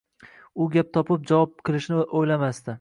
U gap topib javob qilishni o‘ylamasdi